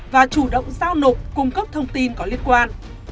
và chủ động giao nộp cung cấp thông tin có liên quan